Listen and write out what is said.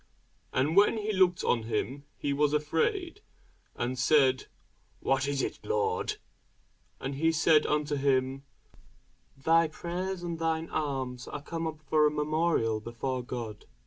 And when he looked on him, he was afraid, and said, What is it, Lord? And he said unto him, Thy prayers and thine alms are come up for a memorial before God.